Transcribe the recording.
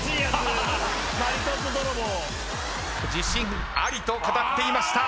自信ありと語っていました。